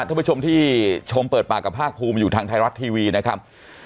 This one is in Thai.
ท่านผู้ชมที่ชมเปิดปากกับภาคภูมิอยู่ทางไทยรัฐทีวีนะครับ